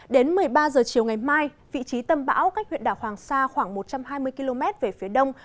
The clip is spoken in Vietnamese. đến một mươi ba h chiều ngày mai vị trí tâm bão cách huyện đảo hoàng sa khoảng một trăm hai mươi km về phía đông